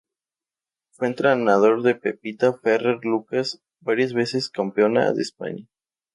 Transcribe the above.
Fue entrenador de Pepita Ferrer Lucas, varias veces campeona de España.